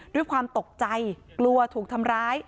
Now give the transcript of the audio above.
ด้วยความตกใจกลัวถูกทำร้าย